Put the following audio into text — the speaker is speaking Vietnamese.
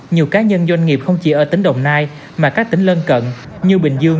nhiều cá nhân doanh nghiệp không chỉ ở tỉnh đồng nai mà các tỉnh lân cận như bình dương